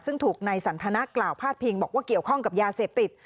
ซึ่งถูกนายสันทนากล่าวพาดพิงบอกว่าเกี่ยวข้องกับยาเสพติด